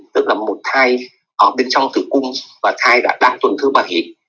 tức là một thai ở bên trong tử cung và thai đã đạt tuần thư bạc hị